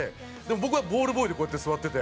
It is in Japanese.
僕はボールボーイでこうやって座ってて。